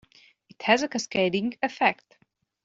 It has a cascading effect.